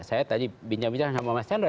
saya tadi bincang bincang sama mas chandra